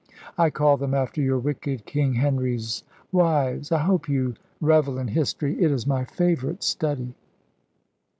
I called them after your wicked King Henry's wives. I hope you revel in history. It is my favourite study."